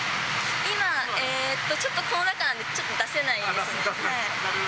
今、ちょっとこの中なんで、ちょっと出せないですね。